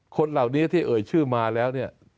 คนเหล่านี้ที่เอ่ยชื่อมาแล้วเนี่ย